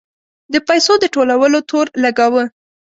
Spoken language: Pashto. د پیسو د ټولولو تور لګاوه.